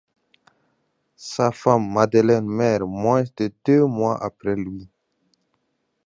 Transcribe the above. Sa femme Madeleine meurt moins de deux mois après lui.